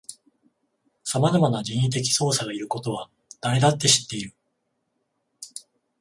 さまざまな人為的操作がいることは誰だって知っている